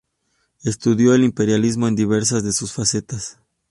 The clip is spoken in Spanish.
Estudió el imperialismo en diversas de sus facetas.